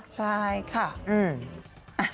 ใช่ค่ะอืม